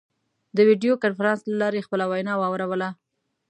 د ویډیو کنفرانس له لارې خپله وینا واوروله.